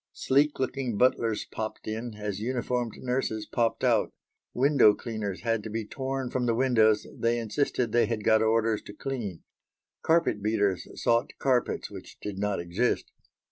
Sleek looking butlers popped in, as uniformed nurses popped out. Window cleaners had to be torn from the windows they insisted they had got orders to clean; carpet beaters sought carpets which did not exist.